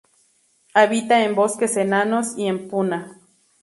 Habita en bosques enanos y en puna.